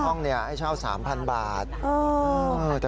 คุณยายไม่ได้เอาไฟหมดเลยค่ะ